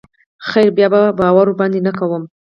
خير بيا به باور ورباندې نه کوم.